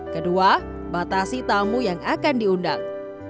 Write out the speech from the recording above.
kedua batasi tamu yang akan diundang